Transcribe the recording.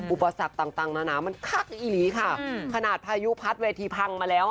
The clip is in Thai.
อุปสรรคต่างนานามันคักอีหลีค่ะขนาดพายุพัดเวทีพังมาแล้ว